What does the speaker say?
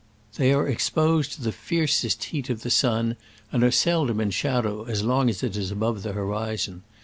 They are exposed to the fiercest heat of the sun, and are sel dom in shadow as long as it is above the horizon.